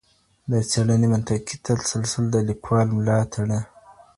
د څېړنې منطقي تسلسل د لیکوال ملا تړي.